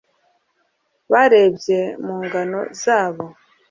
barebye mu ngano zabo